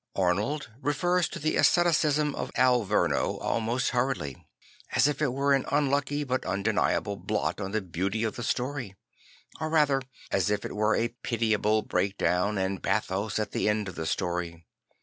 Arnold refers to the asceticism of Alverno almost hurriedly, as if it were an unlucky but undeniable blot on the beauty of the story; or rather as if it were a pitiable break down and bathos at the end of the story.